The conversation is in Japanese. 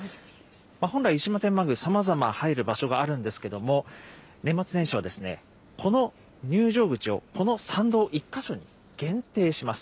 本来、湯島天満宮、さまざま入る場所があるんですけれども、年末年始は、この入場口を、この参道１か所に限定します。